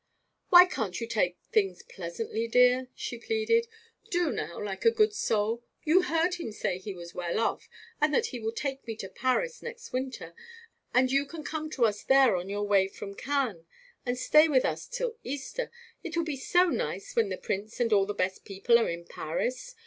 'Why can't you take things pleasantly, dear?' she pleaded. 'Do now, like a good soul. You heard him say he was well off, and that he will take me to Paris next winter, and you can come to us there on your way from Cannes, and stay with us till Easter. It will be so nice when the Prince and all the best people are in Paris.